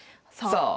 さあ！